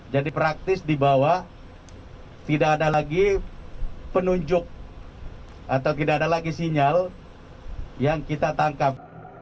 jadi praktis dibawa tidak ada lagi penunjuk atau tidak ada lagi sinyal yang kita tangkap